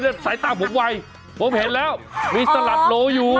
สายตาผมไวผมเห็นแล้วมีสลัดโลอยู่